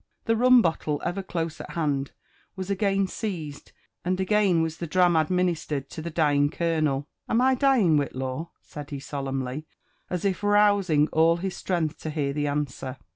The rum bottle, ever close at hand, was again seized, and again was the dram administered to the dying colonel. Am I dying, Whitlaw ?" said he solemnly, and as if rousing all Ills strength to hear the answer.